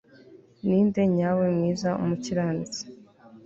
Ninde nyawe mwiza umukiranutsi